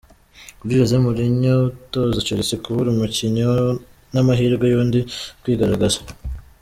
Kuri Jose Mourinho utoza Chelsea, kubura umukinnyi n’amahirwe y’undi kwigaragaraza.